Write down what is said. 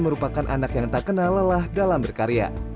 merupakan anak yang tak kenal lelah dalam berkarya